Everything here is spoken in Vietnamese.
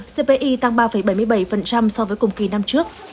cpi tăng ba bảy mươi bảy so với cùng kỳ năm trước